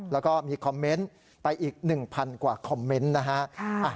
แล้วก็มีคอมเมนต์ไปอีก๑๐๐กว่าคอมเมนต์นะฮะ